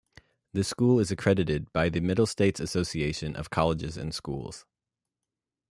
The school is accredited by the Middle States Association of Colleges and Schools.